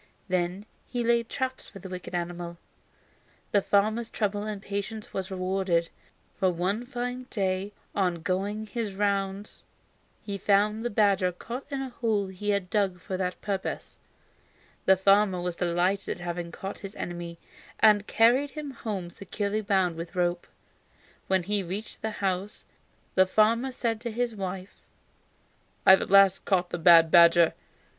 Then he laid traps for the wicked animal. The farmer's trouble and patience was rewarded, for one fine day on going his rounds he found the badger caught in a hole he had dug for that purpose. The farmer was delighted at having caught his enemy, and carried him home securely bound with rope. When he reached the house the farmer said to his wife: "I have at last caught the bad badger.